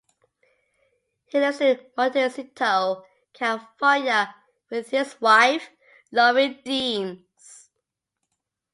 He lives in Montecito, California with his wife Laurie Deans.